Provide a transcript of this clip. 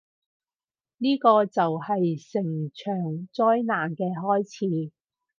呢個就係成場災難嘅開始